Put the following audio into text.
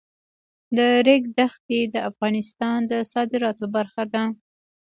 د ریګ دښتې د افغانستان د صادراتو برخه ده.